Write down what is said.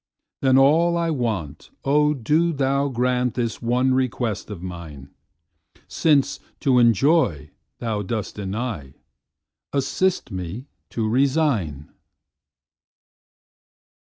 Then all I want—O do Thou grantThis one request of mine!—Since to enjoy Thou dost deny, Assist me to resign.